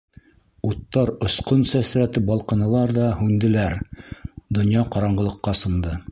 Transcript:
Уттар осҡон сәсрәтеп балҡынылар ҙа һүнделәр, донъя ҡараңғылыҡҡа сумды...